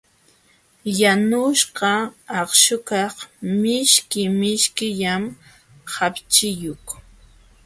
Yanuśhqa akśhukaq mishki mishkillam hapchiyuq.